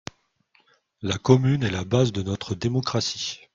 La commune est la base de notre démocratie.